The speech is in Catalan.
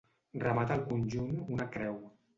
Remata el conjunt una creu.